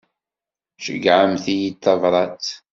Ceyyɛemt-iyi-d tabrat.